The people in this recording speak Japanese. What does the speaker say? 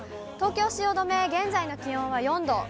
東京・汐留、現在の気温は４度。